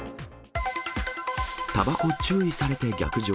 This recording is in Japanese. たばこ注意されて逆上。